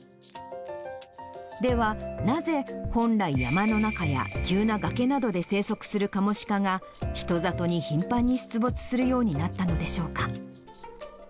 では、なぜ、本来山の中や急な崖などで生息するカモシカが、人里に頻繁に出没するようになったのでしょうか。